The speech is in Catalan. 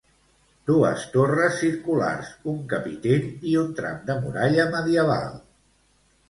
Dues torres circulars, un capitell i un tram de muralla medieval.